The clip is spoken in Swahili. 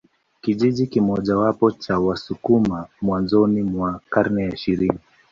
Kijiji kimojawapo cha Wasukuma mwanzoni mwa karne ya ishirini